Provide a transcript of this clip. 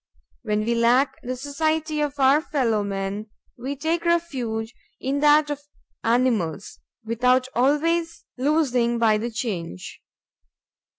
When we lack the society of our fellow men, we take refuge in that of animals, without always losing by the change.